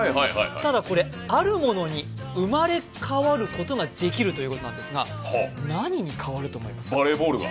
ただこれ、あるものに生まれ変わることができるということなんですが、何に変わると思いますか？